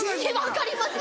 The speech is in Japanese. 分かります！